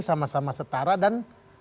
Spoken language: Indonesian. sama sama setara dan